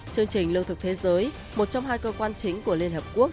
chương trình lương thực thế giới một trong hai cơ quan chính của liên hợp quốc